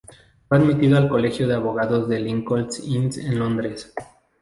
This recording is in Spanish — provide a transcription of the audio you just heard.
Fue admitido al colegio de abogados del Lincoln's Inn en Londres.